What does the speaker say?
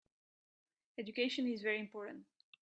Education is very important.